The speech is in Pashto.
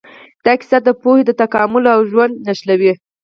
دا کیسه د پوهې، تکامل او ژونده نښلوي.